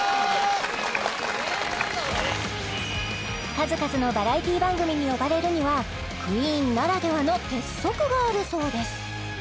数々のバラエティ番組に呼ばれるにはクイーンならではの鉄則があるそうです